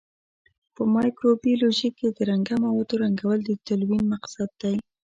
په مایکروبیولوژي کې د رنګه موادو رنګول د تلوین مقصد دی.